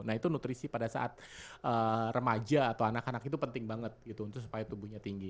nah itu nutrisi pada saat remaja atau anak anak itu penting banget gitu untuk supaya tubuhnya tinggi